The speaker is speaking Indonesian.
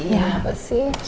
ya apa sih